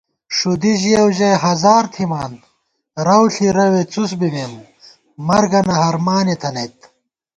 ݭُدی ژِیَؤ ژَئی ہزار تھِمان، رَؤ ݪِی رَوےڅُس بِمېم، مرگنہ ہرمانےتھنَئیت